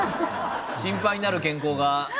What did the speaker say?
心配になる健康が。